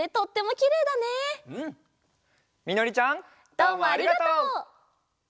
どうもありがとう。